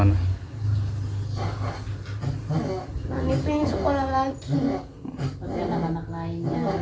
rani pengen sekolah lagi